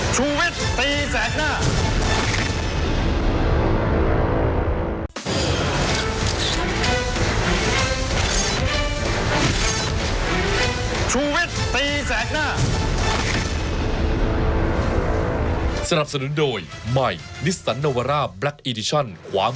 ชีวิตตีแสดงหน้า